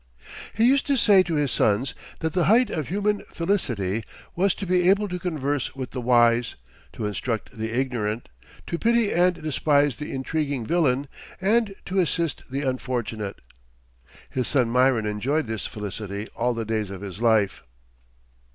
He used to say to his sons that the height of human felicity was "to be able to converse with the wise, to instruct the ignorant, to pity and despise the intriguing villain, and to assist the unfortunate." His son Myron enjoyed this felicity all the days of his life.